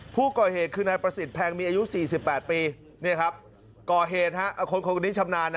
ผู้ก่อเหตุคืองานประซิบแพงฯอายุ๔๘ปี